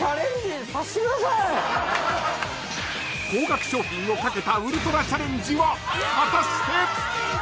［高額商品を懸けたウルトラチャレンジは果たして］